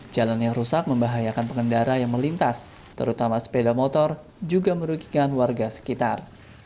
jalan yang rusak membahayakan pengendara yang melintas terutama sepeda motor juga merugikan warga sekitar